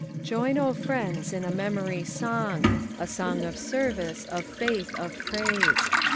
"Join, oh friends, in a memory song; A song of service, of faith, of praise.